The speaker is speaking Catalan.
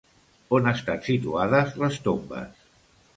On estan situades les tombes?